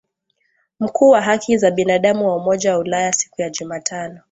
Mkuu wa haki za binadamu wa Umoja wa Ulaya siku ya Jumatano